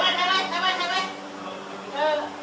ไฟใช้มะย